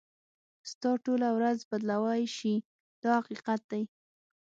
ستا ټوله ورځ بدلولای شي دا حقیقت دی.